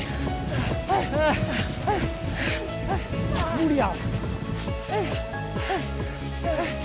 無理や。